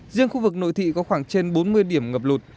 riêng khu vực nội thị có khoảng trên bốn mươi điểm ngập lụt